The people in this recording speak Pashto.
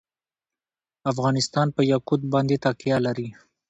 افغانستان په یاقوت باندې تکیه لري.